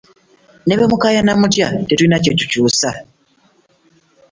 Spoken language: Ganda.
Ne bwe mukaayana mutya tetulina kye tukyusa.